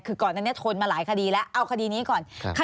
คือก่อนอันนี้ทนมาหลายคดีแล้วเอาคดีนี้ก่อน